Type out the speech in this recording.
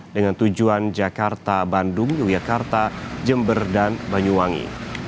dengan tujuan jakarta bandung yogyakarta jember dan banyuwangi